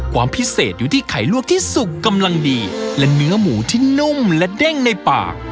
ความพิเศษอยู่ที่ไข่ลวกที่สุกกำลังดีและเนื้อหมูที่นุ่มและเด้งในปาก